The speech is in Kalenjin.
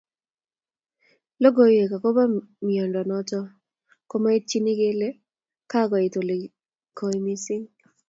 lokoywek akopo miondo noto komaityini kele kakoit olengoi missing